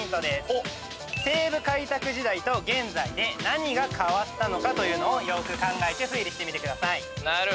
西部開拓時代と現在で何が変わったのかというのをよーく考えて推理してみてください。